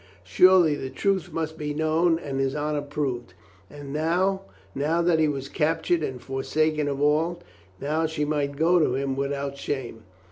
Surely the truth must be known and his honor proved. And now, now that he was cap tive and forsaken of all, now she might go to him without shame.